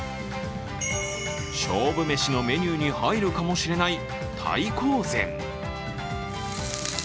勝負めしのメニューに入るかもしれない大幸膳。